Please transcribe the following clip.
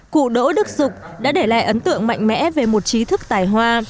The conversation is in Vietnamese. cụ đỗ đức sục đã để lại ấn tượng mạnh mẽ về một trí thức tài hoa